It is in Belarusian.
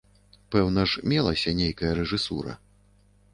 Пэўна ж мелася нейкая рэжысура.